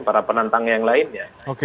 para penantang yang lainnya